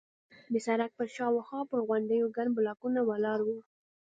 د سړک پر شاوخوا پر غونډیو ګڼ بلاکونه ولاړ وو.